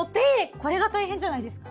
これが大変じゃないですか？